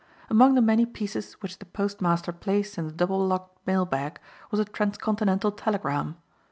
Among the many pieces which the postmaster placed in the double locked mail bag was a trans continental telegram.